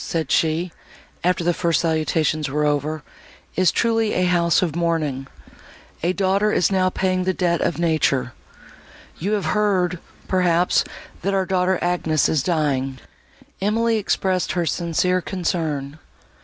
"Our house," said she, after the first salutations were over, "is truly a house of mourning—a daughter is now paying the debt of nature.—You have heard, perhaps, that our daughter Agnes is dying?" Emily expressed her sincere concern.